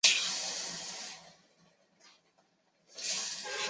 以及叙事安排